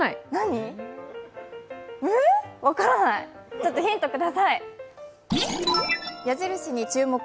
ちょっとヒントください！